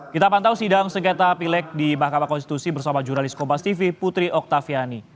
kita pantau sidang sengketa pilek di mahkamah konstitusi bersama jurnalis kompas tv putri oktaviani